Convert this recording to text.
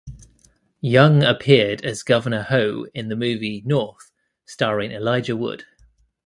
Young appeared as Governor Ho in the movie "North" starring Elijah Wood.